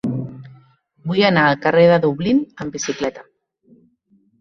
Vull anar al carrer de Dublín amb bicicleta.